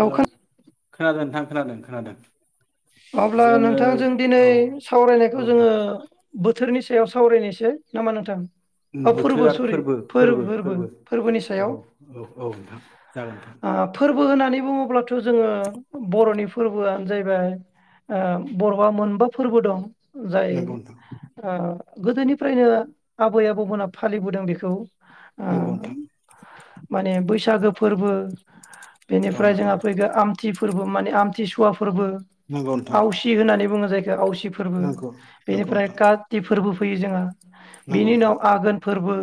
औ हेल' खोन खोनादों नोंथां। खोनादों खोनादों। अब्ला जोङो नोंथां जों दिनै औ औ सावरायनायखौ नोंथां जोङो बोथोरनि सायाव सावरायनायसै ना मा नोंथां? औ बोथोर आरो सरि फोरबो फोरबो फोरबो फोरबोनि सायाव औ औ औ नोंथां जागोन नोंथां। बो होननानै बुङोब्लाथ' जोङो बर'नि फोरबोआनो जाहैबाय ओ बर'आ मोनबा फोरबो दं। जाय नोंथां आ गोदोनिफ्रायनो आबै आबौमोनहा फालिबोदों बेखौ। ओ नोंगौ नोंथां। माने बैसागो फोरबो नंगौ बेनिफ्राय जोंहा फैगोन आमथि फो फोरबो माने आमथिसुवा फोरबो नोंथां औ नोंथां आवसि होननानै बुङो जाय आवसि फोरबो नंगौ नोंथां नंगौ बेनिफ्राय नोंथां काति फोरबो फैयो जोंहा। नंगौ बिनि उनाव नोंथां आगोन फोरबो।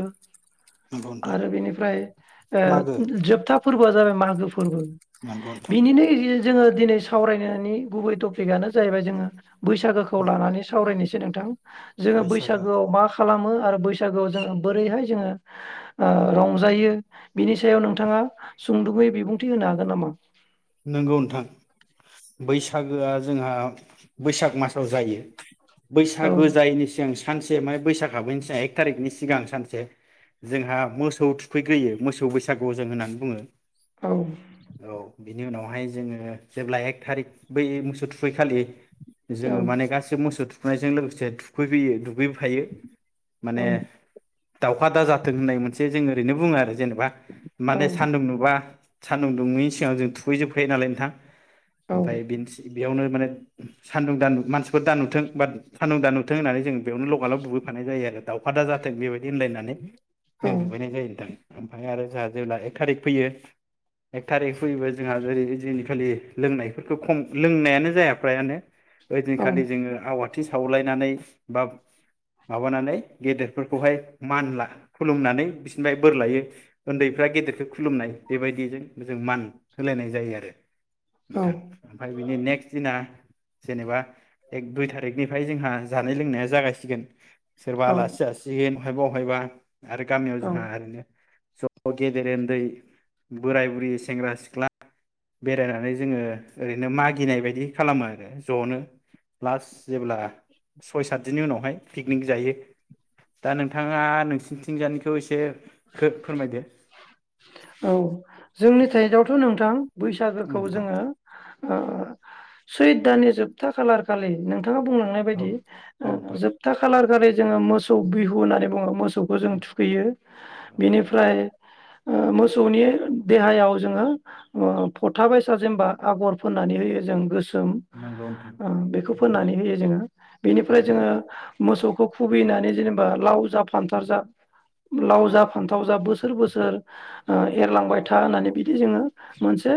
नंगौ [inaudible] नोंथां आरो बेनिफ्राय ओ मागो जोबथा फोर आं जाबाय मागो फोर फोरबो। नंगौ नोंथां बिनिनो [unintelligible] जोङो दिनै सावरायनोनि गुबै टपिकआनो जाहैबाय जोङो बैसागोखौ लानानै सावरायनोसै सै नोंथां। जोङो बैसागो बैसागोआव मा खालामो आरो बैसागोआव जोङो बोरैहाय जोङो ओ रंजायो बिनि सायाव नोंथाङा सुंदुबयै बिबुंथि होनो हागोन नामा? नंगौ नोंथां। बैसागोआ जोंहा बैसाग मासाव जायो। औ बैसागो जायैनि सिगां सानसे माइब बैसाग हाबैनि सिगां एक थारिकनि सिगां सानसे जोंहा मोसौ थुखैग्रोयो मोसौ बैसागु जों होननानै बुङो। औ। औ बिनि उनावहाय जोङो जेब्ला एक थारिक बै मोसौ थुखैखालि औ जोङो माने गासैबो मोसौ थुग फुनायजों लोगोसे थुखै फैयो दुगै खायो माने औ दावखादा जाथों होननाय मोनसे जों ओरैनो बुङो आरो जेनेब बा माने सान्दुं नुबा सान्दुं दुङैनि सिगां जों थुखै जोबखायो नालाय नोंथां । औ ओमफाय बिस बेयावनो माने सान्दुं दानु मानसिफोर दा नुथों बा सान्दुं दा नुथों होननानै जों बेयावनो लगाल' बुबोफानाय जायो आरो दाउखा दा जाथों बेबायदि होनलायनानै बे दुगैनाय जायो नोंथां । ओमफाय आरो जोहा जेब्ला एक थारिख फैयो एक थारिख फैयोब जोंहा जेरै इदिनि खालि लोंनायफोरखौ खम लोंनायानो जाया फ्रायानो औ ओइदिनखालि जोङो आवाद थि सावलायनानै बा माबानानै गेदेरफोरखौहाय मान ला खुलुमनानै बिसिनिफाय बोर लायो उन्दैफ्रा गेदेरखौ खुलुमनाय बेबायदिजों जों मान होलायनाय जायो आरो औ नोंथां ओमफाय बिनि नेक्स्ट दिना जेनेबा एक दुइ थारिखनिफाय जोंहा जानाय लोंनाया जागायसिगोन । सोरबा लासि औ जासिगोन । हब अहायबा आरो गामियाव जोहा आरैनो ज' गेदेर ओन्दै बोराय बुरि सेंग्रा सिख ख्ला बेरायनानै जोङो ओरैनो मागिनाय बायदि खालामो आरो जनो लास जेब्ला सय सातदिननि उनावहाय पिकनिक जायो दा नोंथाङा नोंसिनिथिंजानिखौ एसे खोब फोरमायदो । औ जोंनि थाइदआवथ' नोंथां । बैसागोखौ नोंथां जोङो ओ सैयद दाननि जोबथा खालारखालि नोंथां बिथाङा बुंलांनाय औ बायदि औ नोंथां जोबथा खालार जोङो मोसौ बिहु होननानै बुङो मोसौ। मोसौखौ जों औ थुखैयो नोंथां बेनिफ्राय ओ मोसौनि देहायाव जोङो फथा बायसा जेनबा आगर फुननानै होयो जों गोसो। जों नंगौ नोंथां आ बेखौ फुननानै होयो जोङो। बेनिफ्राय नंगौ जोङो नोंथां मोसौखौ खुबैनानै जेनेबा लाव जा फानथाव जा लाव जा फान्थाव जा बोसोर बोसोर ओ एरलांबाय था होननानै बिदि जोङो मोनसे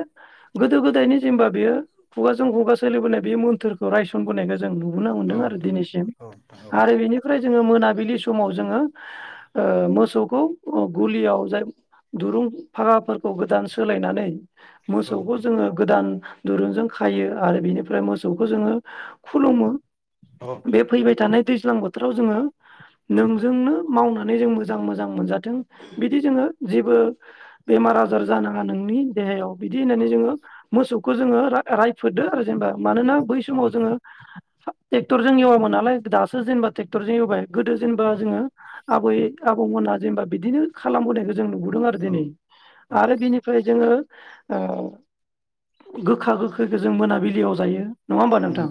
गोदो गोदायनि जेनेबा बेयो खुगाजों खुगा सोलिबोनाय बे मोन्थोर। रायसनबोनायखौ जों नुबोनो औ मोनदों आरो नोंथां दिनैसिम औ नोंथां आरो बेनिफ्राय जोङो मोन फुंबिलि समाव जोङो ओ मोसौखौ आ गलियाव जाय दुरुं फागाफोरखौ गोदान सोलायनानै। औ मोसौखौ नोंथां जोङो गोदान दुरुंजों खायो आरो बिनिफ्राय मोसौखौ जोङो खुलुमो। औ बे फैबाय थानाय दैज्लां बोथोराव जोङो नोंथां नोंजोंनो मावनो नानै जों मोजां मोजां मोनजाथों बिदि जोङो। जेबो बेमार आजार जानाङा नोंनि देहायाव । बिदि औ होननानै जोङो मोसौ खौ जोङो रायफोदो आरो जेनेबा मानोना बै नोंथां औ समाव नोंथां जोङो ट्रेक्टरजों ऐवआमोन नालाय दासो जेनेबा ट्रेक्टरजों ऐवबाय। गोदो जेनेबा औ नोंथां औ नोंथां जोङो आबै आबौमोना जेनेबा बिदिनो खालामबोनाय जों नुबो दों आरो दिनै आरो बिनिफ्राय जोङो। ओ गोखा गोखैखौ जों मोनाबिलियाव जायो। नङा होमबा नोंथां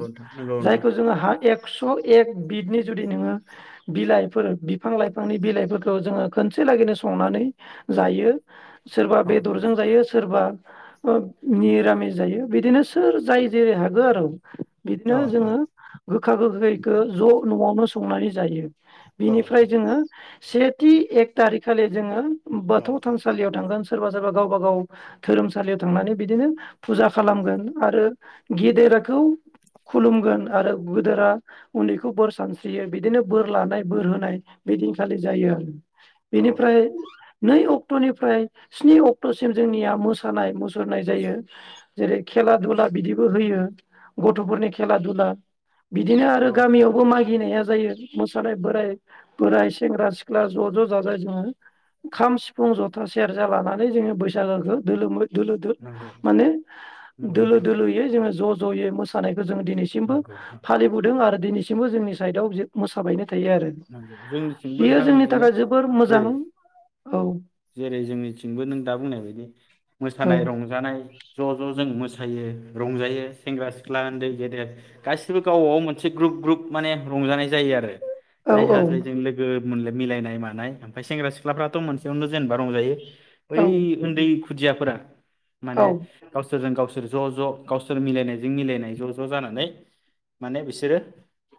जायखौ जोङो हा एक एक्स एक बिदनि जुदि नोङो बिलाइफोर बिफां लाइफांनि बिलाइफोरखौ जोङो खोनसे लागैनो संनानै जायो। सोरबा बेदरजों जायो सोरबा ओ मिरामिस जायो बिदिनो सोर जाय जेरै हागो आरो। बिदिनो औ जोङो । गोखा गोखैखौ ज' न'आवनो संनानै जायो। औ नोंथां नंगौ नोंथां नंगौ नोंथां औ नोंथां औ नोंथां औ नोंथां औ नोंथां औ बिनिफ्राय जोङो। सेथि एक थारिकखालि जोङो। बाथौ नोंथां थानसालियाव थांगोन। सोरबा सोरबा गावबा गाव धोरोमसालियाव थांनानै बिदिनो फुजा खालामगोन आरो गेदेरखौ खुलुमगोन आरो गोदोरा उन्दैखौ बोर सानस्रियो बिदिनो बोर लानाय बोर होनाय बिदिनखालि जायो आरो । बेनिफ्राय औ नै अक्ट'निफ्राय स्नि अक्ट'सिम जोंनिया मोसानाय मुसुर सुरनाय जायो। जेरै खेला दुला बिदिबो होयो गथ'फोरनि खेला दुला । बिदिनो आरो नोंथां गामियावबो मागिनाया जायो मोसानाय बोराइ बोराय सेंग्रा सिख्ला ज' ज' जा जाय जोङो खाम सिफुं जथा सेरजा लानानै जोङो बैसागोखौ दोलोमै दोलो दो नंगौ माने नंगौ दोलो नोंथां दोलोयै जोङो ज' जयै मोसानाय जों दिनैसिमबो नंगौ नोंथां फालिबोदों आरो दिनैसिमबो जोंनि साइडआव मोसाबायनो थायो आरो नंगौ जोंनिथिंबो बेयो नोंथां जोंनि बिदिनो थाखाय जोबोर मोजां जेरै औ जेरै जोंनिथिंबो नों दा बुंनाय बायदि औ मोसानाय रंजानाय ज' ज' जों मोसायो रंजायो सेंग्रा-सिख्ला उन्दै गेदेर गासिबो गावबाव मोनसे ग्रुप ग्रुप माने रंजानाय जायो आरो औ जायहा जायजों लोगो मोनले मिलायनाय मानाय ओमफ्राय सेंग्रा सिख्लाफ्राथ' मोनसेयावनो जेनेबा रंजायो बै औ उन्दै खुदियाफोरा माने औ गावसोरजों गावसोर ज' ज' गावसोर मिलायनायजो मिलायनाय ज' ज' जानानै माने बिसोरो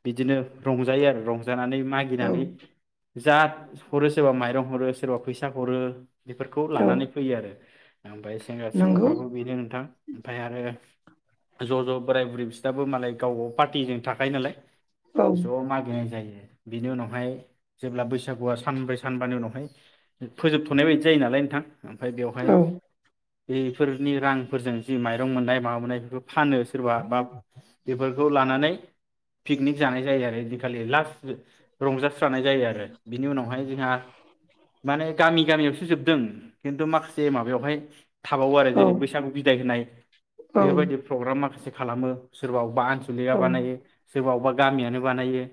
बिदिनो रंजायो आरो रंज जानानै औ मागिनानै जा हरो सोरबा माइरं हरो सोरबा फैसा हरो बेफोरखौ औ लानानै फैयो आरो ओमफ्राय सेंग्रा नंगौ सिख्लाफ्राबो बेनो नोंथां ओमफ्राय आरो ज' ज' बोराइ-बुरै बिसनाबो मालाय गावबाव पार्टिजों थाखायो नालाय औ ज' मागिनाय जायो बिनि उनावहाय जेब्ला बैसागुआ सानब्रै सानबानि उनावहाय फोजोबथ'नाय बायदि जायो नालाय नोंथां ओमफ्राय बेवहाय औ बेफोरनि रांफोरजों जि माइरं मोननाय माबा मोननाय बेखौ फानो सोरबा बा बेफोरखौ लानानै पिकनिक जानाय जायो आरो ओइदिनखालि लास्ट। रंजास्रानाय जायो आरो। बिनि उनावहाय जोंहा माने गामि गामियाव। जोबदों खिन्थु माखासे माबायावहाय। थाबावो आरो औ जेरै बैसागु बिदाय होनाय औ बेफोरबायदि प्रग्राम माखासे। खालामो सोरबा । सोरबा बा आनसलिगा औ बानायो। गामियानो बानायो।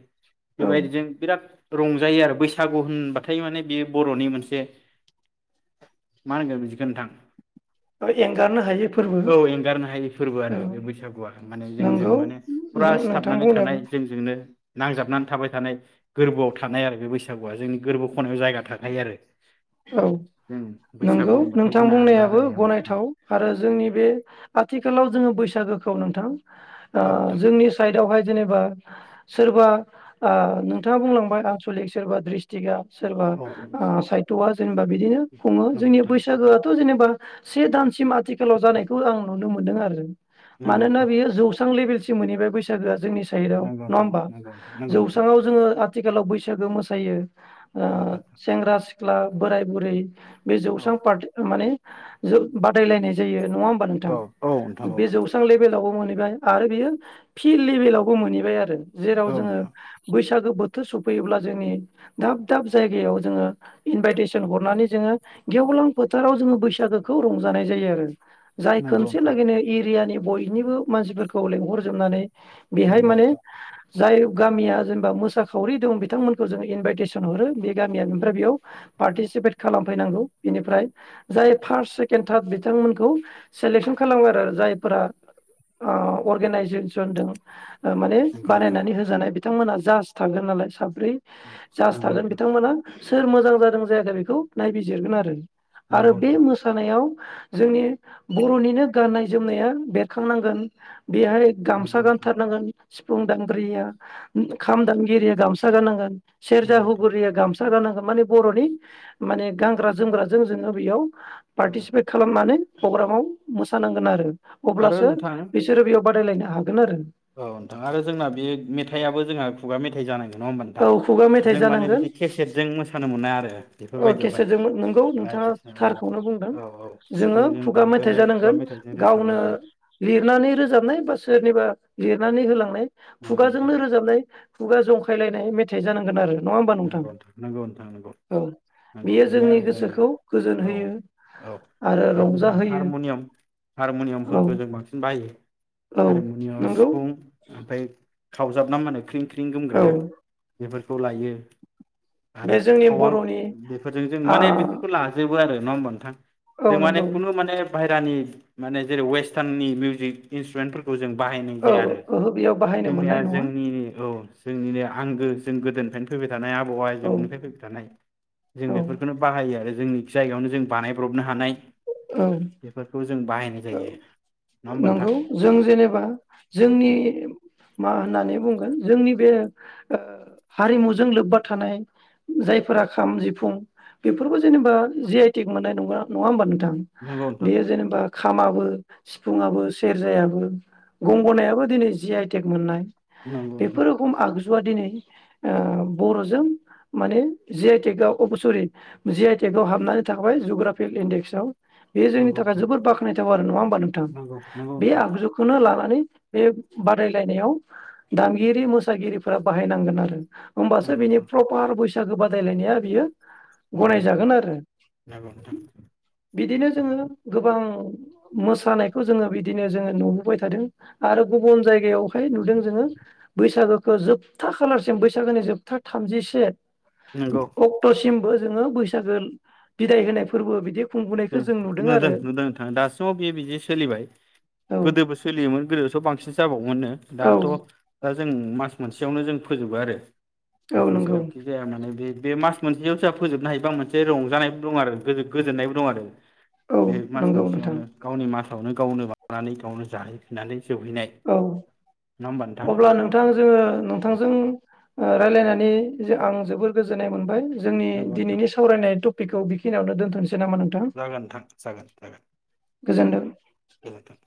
बे औ बायदिजों बिराद। रंजायो आरो बैसागु होनबाथाय माने बे बरनि मोनसे मा होनगोन बिदिखौ नोंथां। एंगारनो हायै फोरबो औ एंगारनो हायि फोरबो औ आरो बे बैसागुआ माने जोंजों नंगौ माने फुरा नोंथां सिथाबनानै थानाय बुंनायाबो जोंजोंनो। नांजाबनानै थाबाय थानाय गोरबोआव थानाय आरो बे बैसागुआ जोंनि गोरबोखौ औ जों बैसागु नंगौ होनबाथाय नोंथां जोंना आलादा बुंनायाबो जायो गनायथाव आरो जोंनि बे आथिखालाव जोङो बैसागुखो औ नोंथां ओ औ नोंथां जोंनि साइदावहाय जेनेबा सोरबा नोंथाङा बुंलांबाय आनसलिक सोरबा द्रिसथिगआ सोरबा औ आ साइथवा जेनेबा बिदिनो खुङो जोंनि नोंथां औ बैसागुआथ जेनेबा जेनेबा से दानसिम आथिखालाव जानायखौ आं नुनो मोनदों आरो । नंगौ मानोना नोंथां बेयो जौस्रां लेभेलसिम मोनहैबाय बैसागुआ जोंनि नङा नंगौ नोंथां होमबा नंगौ नोंथां जौस्राङाव जोङो आथिखालाव बैसागु मोसायो । नंगौ नोंथां। सेंग्रा सिख्ला बोराय बुरै बे जौस्रां औ पार्टि माने ज बादायलायनाय जायो । नङा होमबा नोंथां औ औ नोंथां औ बे जौस्रां लेबेलावबो मोनहैबाय आरो बेयो फिल लेभेलावबो मोनहैबाय आरो । जेराव औ जोङो नोंथां बैसागु बोथ सफैयोब्ला जोंनि दाब दाब जायगायाव जोङो इनभाइटेसन हरनानै जोङो गेवलां फोथाराव जोङो बैसागुखौ रंजानाय जायो आरो । जाय नंगौ खनसे नोंथां लागैनो एरियानि बयनिबो मानसिफोरखौ लेंहरजोबनानै बिहाय नंगौ माने नोंथां जाय गामिया जेनेबा मोसाखावरि दं बिथांमोनखौ जों इनभाइटेसन हरो बे गामि निफ्राय बेयाव पार्टिसिपेट खालामफैनांगौ बेनिफ्राय जाय फार्स्ट सेकेणड थार्ड बिथांमोनखौ सेलेकसन खालामो आरो जायफोरा अर्गेनाइजेसन दं माने बानायनानै होजानाय बिदि बिथांमोनहा जास थागोन नालाय साब ब्रै जास नंगौ थागोन नोंथां बिथांमोना । सोर मोजां जादों जायाखै बेखौ नायबिजिरगोन आरो । आरो नंगौ बे नोंथां मोसानायाव जोंनि बर'निनो गाननाय जोमनाया बेरखांनांगोन बेहाय गामसा नंगौ नोंथां गानथारनांगोन सिफुं दामगिरिया खाम दामगिरिया गामसा गाननांगोन नंगौ नोंथां सेरजा नंगौ नोंथां हुगुरिया गाम सा गाननांगोन माने बर'नि माने गानग्रा जोमग्राजों जोंङो बेयाव औ पार्टिसिपेट खालामनानै पग्रामाव मोसानांगोन आरो आरो अब्लासो नोंथां बिसोरो बेयाव बादायलायनो हागोन आरो औ नोंथां आरो जोंना बे मेथायाबो जोंहा खुगा मेथाइ जानां गोन नङा होमबा नोंथां औ खुगा मेथाइ जों माने बिदि केेसेटजों मोसानो मोना आरो अके बेफोरबायदियावहाय सोर जों नंगौ नोंथाङा बायदिसिना औ थारखौनो बुंदों औ औ जोंङो सिफुंजों खुगा मेथाइ दामगोनो खुगा जानांगोन मेथाइजों गावनो रोजाबनांगोन लिरनानै रोजाबनाय बा सोरनिबा लिरनानै होलांनाय नंगौ खुगाजोंनो नोंथां रोजाबनाय खुगा जंखायलायनाय मेथाइ जानांगोन आरो नङा होमबा नंगौ नोंथां नंगौ नोंथां नंगौ औ नंगौ बियो बेनो जोंनि आरो जोंनिया गोसोखौ गोजोन औ होयो औ आरो जोंहा औ हारमनियाम-हारमुनियामफोरखौ जों बांसिन बाहायो औ हारमुनियामाव नंगौ सिफुं ओमफ्राय खावजाबना माहोनो ख्रिं-ख रिं औ गुमग्राया बेफोरफोर खौ लायो बे आरो जोंनि खावां बर'नि बेफोरजों जों आ माने बेफोरखौ लाजोबो आरो नङा होमबा नोंथां जों औ माने नंगौ खुनु माने बाहाय दानि माने जेरै वेस्टार्नि मिउजिक इन्सट्रुमेन्ट फोर खौ जों बाहायनाय औ जाया आरो ओहो बेयाव बाहायनो जोंनिया मोननाय नङा औ जोंनि औ जोंनिनो आंगो जों गोदोनिफायनो थानाय आबौ आजौनिफ्राय फैबाय थानाय जों औ बेफोरखौनो बाहायो आरो जोंनि जायगायावनो जों बानायब्रबनो हानाय औ बेफोरखौ जों बाहायनाय औ जायो नङा होमबा नोंथां नंगौ जों जेनेबा जोंनि मा हो ननानै बुंगोन जोंनि बे हारिमुजों लोबबा थानाय जायफोरा खाम जिफुं बेफोरखौ जेनेबा जि आइ टिक मोननाय ना नङा होमबा नों थां नंगौ नोंथां बेयो जेनेबा खामाबो सिफुंङाबो सेरजायाबो गंगनायाबो दिनै जि आइटेक मोननाय नंगौ बेफोर रखोम आग जुआ दिनै बरजों माने जि आइ टेकाव अ सरि जि आइ टेक आव हाबनानै थाबाय जुग्राफिकेल इन्डेक्सआव बेयो जोंनि थाखाय नोंथां जोबद बाख खनायथाव आरो नङा हबा नोंथां नंगौ नोंथां नंगौ बे नोंथां आगजुखौनो लानानै बे बादायलायनायाव दामगिरि मोसागिरिफोरा बाहायनांगोन आरो होमबासो नंगौ बिनि नोंथां प्रपार बैस सागो बादायलायनाया बियो नंगौ नोंथां गनायजागोन आरो नंगौ नोंथां बिदिनो जोङो नंगौ गोबां मोसानायखौ जोङो बिदिनो जोङो नुबोबाय थादों आरो गुबुन जायगायावहाय नुदों जोङो बैसागो खो जोबथा खालारसिम बैसागोनि जोबथा थामजिसे नंगौ अक्टसिम बो जोङो बैसागो बिदाय होनाय फोरबो बिदि खुंबोनायखौ जों नुदों आरो नुदों नोंथां दासिमाव बियो बिदि सोलिबाय औ गोदोबो सोलियोमोन गोदोथ बांसिनसो जाबावोमोन नो औ दाथ जों मास मोनसेयावनो जों फोजोबो आरो औ जिखौ नंगौ जेरावखि जाया होननानै बे बे मास मोनसे सोहा फोजोबनो हायोबा आं मोनसे रंजानायबो दं आरो गोजो गोजोननायबो दंआरो औ बे मास नंगौ नोंथां मोनसेयावनो गावनि मास गावनो गावनो बानानै गावनो जाहै फिननानै औ अब्ला नोंथां जोङो औ नोंथांजों ओ रायलायना नै आं जोबोर गोजोननाय मोनबाय जोंनि नंगौ नोंथां दिनैनि सावरायनाय थ बेखौ बेखिनियावनो दोनथनसै जागोन नोंथां जागोन जागोन गोजोनथों। गोजोनथों